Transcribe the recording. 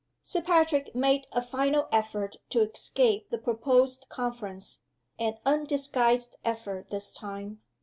Sir Patrick made a final effort to escape the proposed conference an undisguised effort, this time.